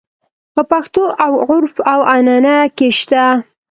په پښتو او عُرف او عنعنه کې شته.